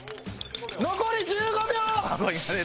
残り１５秒！